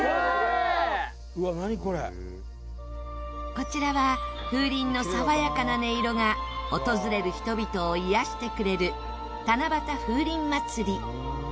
こちらは風鈴の爽やかな音色が訪れる人々を癒やしてくれる七夕風鈴まつり。